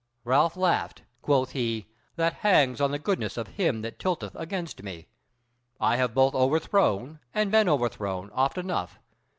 Ralph laughed: quoth he, "That hangs on the goodness of him that tilteth against me: I have both overthrown, and been overthrown oft enough.